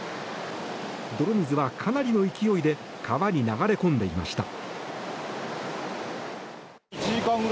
泥水は、かなりの勢いで川に流れ込んでいました。